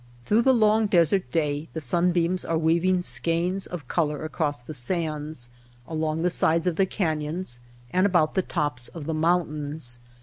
Through the long desert day the sunbeams are weaving skeins of color across the sands, along the sides of the canyons, and about the tops of the mountains.